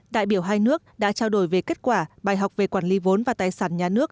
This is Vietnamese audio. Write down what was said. đại biểu hai nước đã trao đổi về kết quả bài học về quản lý vốn và tài sản nhà nước